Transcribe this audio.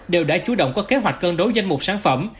đều đã chủ động có kế hoạch cân đối danh mục sản phẩm